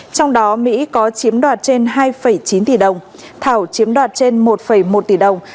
trong đó mỹ có chiếm đoạt trên hai chín tỷ đồng thảo chiếm đoạt trên một một tỷ đồng